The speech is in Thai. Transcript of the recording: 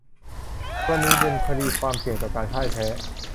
กรณีเป็นคดีความเสี่ยงต่อการพ่ายแพ้